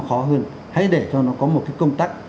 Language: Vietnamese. khó hơn hãy để cho nó có một cái công tác